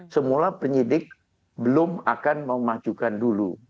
semula penyidik belum akan memajukan dulu